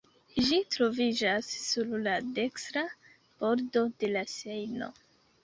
Ĝi troviĝas sur la dekstra bordo de la Sejno.